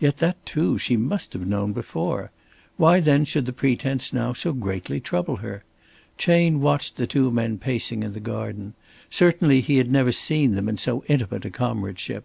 Yet that too she must have known before. Why then should the pretence now so greatly trouble her? Chayne watched the two men pacing in the garden. Certainly he had never seen them in so intimate a comradeship.